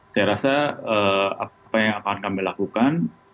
saya rasa apa yang akan kami lakukan